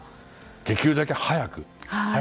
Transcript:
できるだけ早く。